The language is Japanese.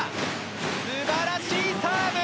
素晴らしいサーブ！